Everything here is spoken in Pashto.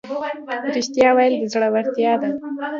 ریښتیا ویل زړورتیا ده